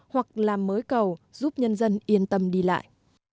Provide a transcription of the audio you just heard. hoặc làm mới cầu giúp nhân dân yên tâm đi lại